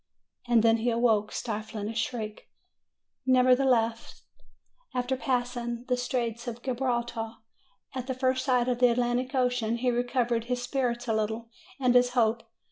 And then he awoke, stifling a shriek. Nevertheless, after passing the Straits of Gilbraltar, at the first sight of the Atlantic Ocean he recovered his spirits a little, and his hope.